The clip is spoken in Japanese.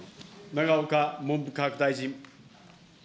永岡文部科学大臣。